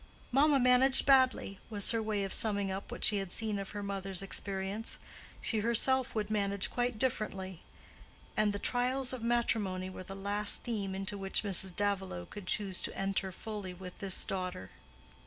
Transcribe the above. "Mamma managed badly," was her way of summing up what she had seen of her mother's experience: she herself would manage quite differently. And the trials of matrimony were the last theme into which Mrs. Davilow could choose to enter fully with this daughter.